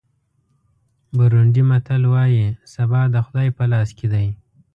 بورونډي متل وایي سبا د خدای په لاس کې دی.